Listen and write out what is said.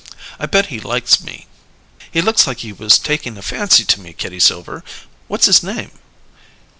"I bet he likes me. He looks like he was taking a fancy to me, Kitty Silver. What's his name?"